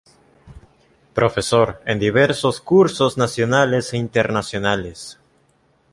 Profesor en diversos cursos nacionales e internacionales.